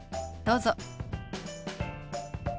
どうぞ。